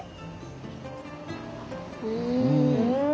うん！